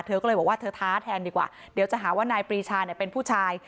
เธอก็เลยบอกว่าเธอท้าแทนดีกว่าเดี๋ยวจะหาว่านายปรีชาเนี่ยเป็นผู้ชาย